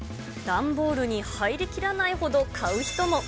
段ボールに入りきらないほど買う人も。